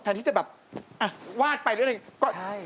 แทนที่จะแบบน้ำวาดไปเรื่อย